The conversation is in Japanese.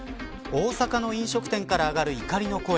大阪の飲食店から上がる怒りの声。